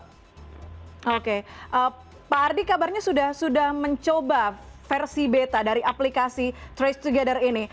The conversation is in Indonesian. pak ardi kabarnya sudah mencoba versi beta dari aplikasi tracetogether ini